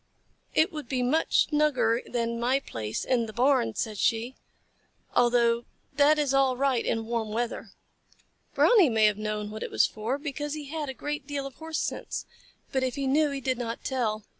"It would be much snugger than my place in the barn," said she, "although that is all right in warm weather." Brownie may have known what it was for, because he had a great deal of Horse sense, but if he knew he did not tell.